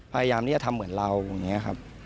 พยายามที่จะทำเหมือนเราอย่างนี้ครับ